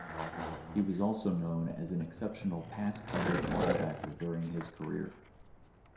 He was also known as an exceptional pass-coverage linebacker during his career.